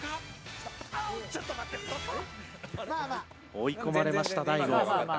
追い込まれました大悟。